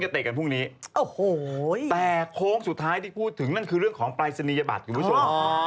แต่โค้งสุดท้ายที่พูดถึงนั้นน่ะคือเรื่องของปลายสนียบัตร